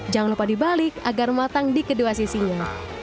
jangan lupa dibalik agar matang di kedua sisinya